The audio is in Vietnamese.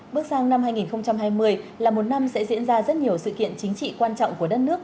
bước sang năm hai nghìn hai mươi là một năm sẽ diễn ra rất nhiều sự kiện chính trị quan trọng của đất nước